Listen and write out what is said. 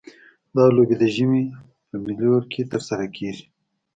دا لوبې د ژمي په میلوں کې ترسره کیږي